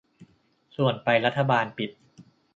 ส่วนไปรัฐบาลปิด